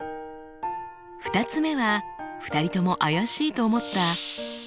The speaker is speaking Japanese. ２つ目は２人とも怪しいと思った「謎の奇病」。